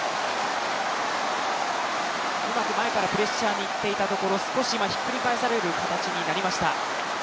うまく前からプレッシャーに行っていたところひっくり返される形になりました。